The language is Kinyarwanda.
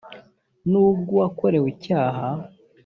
n ubw uwakorewe icyaha